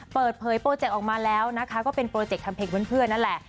เปิดเผยโปรเจกต์ออกมาแล้วนะคะก็เป็นโปรเจกต์ทำเพลงเพื่อนนั่นแหละ